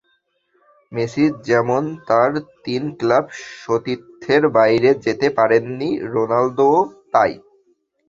Messi যেমন তাঁর তিন ক্লাব সতীর্থের বাইরে যেতে পারেননি, রোনালদোও তা-ই।